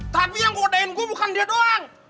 tapi yang godain gue bukan dia doang